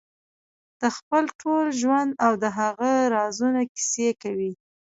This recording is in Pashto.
د خپل ټول ژوند او د هغه رازونو کیسې کوي.